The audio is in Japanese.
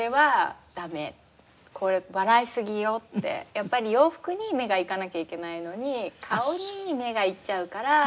やっぱり洋服に目が行かなきゃいけないのに顔に目が行っちゃうから。